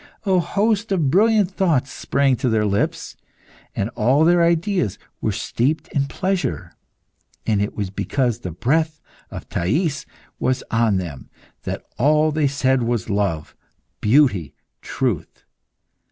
A host of brilliant thoughts sprang to their lips, and all their ideas were steeped in pleasure. And it was because the breath of Thais was on them that all they said was love, beauty, truth.